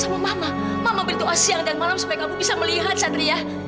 mama berdoa siang dan malam supaya kamu bisa melihat sadria